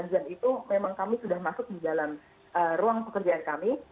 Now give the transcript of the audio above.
jadi delapan jam itu memang kami sudah masuk di dalam ruang pekerjaan kami